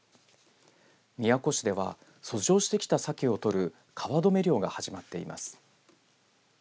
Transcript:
宮古市では遡上してさけを取る川止め漁が始まっています。